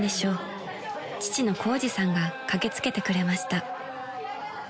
［父の宏治さんが駆け付けてくれました］